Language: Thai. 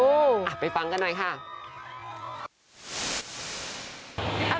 คิมมาเห็นว่าสองคนนั้นน่าจะไปก่อน